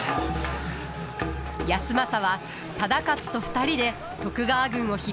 康政は忠勝と２人で徳川軍を引っ張ります。